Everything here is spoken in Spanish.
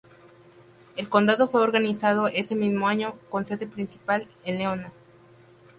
El condado fue organizado ese mismo año, con sede principal en Leona.